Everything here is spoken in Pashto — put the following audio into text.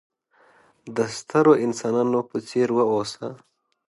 د سترو انسانانو په څېر وه اوسه!